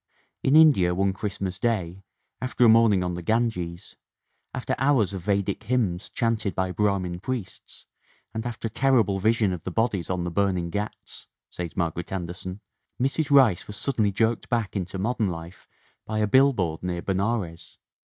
"In India one Christmas day, after a morning on the Ganges, after hours of Vedic hymns chanted by Brahmin priests and after a terrible vision of the bodies on the burning ghats," says Margaret Anderson, "Mrs. Rice was suddenly jerked back into modern life by a billboard near Benares.